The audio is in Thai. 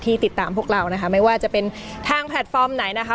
ติดตามพวกเรานะคะไม่ว่าจะเป็นทางแพลตฟอร์มไหนนะคะ